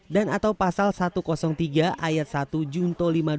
dan atau pasal satu ratus tiga ayat satu junto lima puluh dua